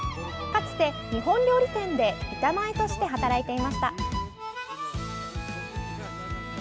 かつて日本料理店で板前として働いていました。